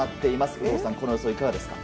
有働さん、この予想いかがですか。